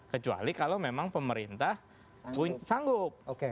kecuali kalau memang pemerintah sanggup